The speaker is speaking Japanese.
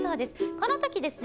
このときですね